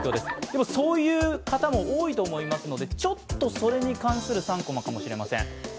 でも、そういう方も多いと思いますので、ちょっとそれに関する３コマかもしれません。